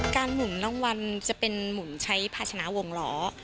หมุนรางวัลจะเป็นหมุนใช้ภาชนะวงล้อ